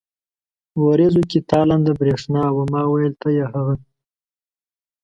ورېځو کې تالنده برېښنا وه، ما وېل ته يې هغه.